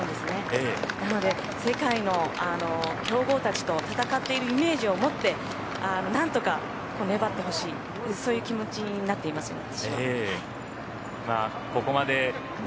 なので、世界の強豪たちと戦っているイメージを持って何とか粘ってほしいそういう気持ちになっています